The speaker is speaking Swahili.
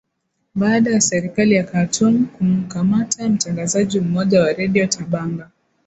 baada ya serikali ya khartum kumkamata mtangazaji mmoja wa redio tabanga